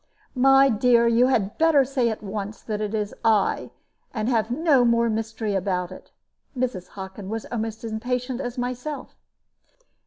"My dear, you had better say at once that it is I, and have no more mystery about it." Mrs. Hockin was almost as impatient as myself.